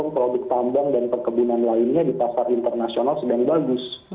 produk tambang dan perkebunan lainnya di pasar internasional sedang bagus